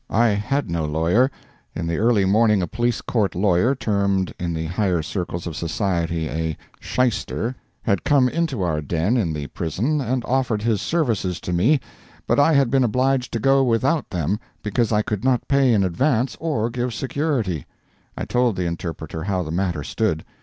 I had no lawyer. In the early morning a police court lawyer (termed, in the higher circles of society, a "shyster") had come into our den in the prison and offered his services to me, but I had been obliged to go without them because I could not pay in advance or give security. I told the interpreter how the matter stood.